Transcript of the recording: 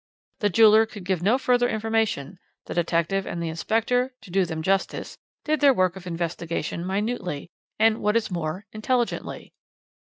"The jeweller could give no further information; the detective and inspector, to do them justice, did their work of investigation minutely and, what is more, intelligently.